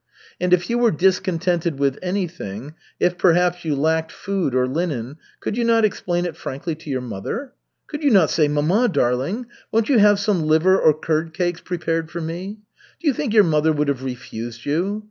"And if you were discontented with anything, if perhaps you lacked food or linen, could you not explain it frankly to your mother? Could you not say, 'Mamma, darling, won't you have some liver or curd cakes prepared for me?' Do you think your mother would have refused you?